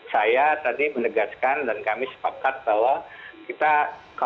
saya tadi menegaskan dan kami sepakat bahwa kita kalau hasil investigasi ini menunjukkan